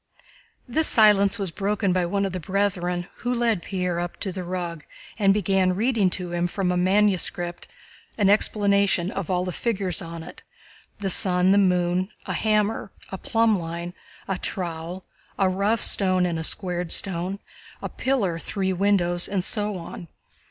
This silence was broken by one of the brethren, who led Pierre up to the rug and began reading to him from a manuscript book an explanation of all the figures on it: the sun, the moon, a hammer, a plumb line, a trowel, a rough stone and a squared stone, a pillar, three windows, and so on.